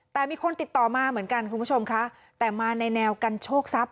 แต่มีคนติดต่อมาเหมือนกันคุณผู้ชมค่ะแต่มาในแนวกันโชคทรัพย